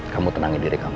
kamu tenangin diri kamu